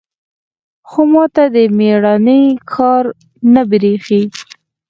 خو ما ته د ميړانې کار نه بريښي.